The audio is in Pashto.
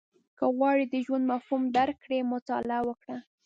• که غواړې د ژوند مفهوم درک کړې، مطالعه وکړه.